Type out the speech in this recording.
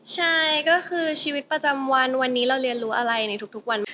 ใช่ก็คือชีวิตประจำวันวันนี้เราเรียนรู้อะไรในทุกวันไหม